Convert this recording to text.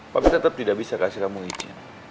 papi tetap tidak bisa kasih kamu izin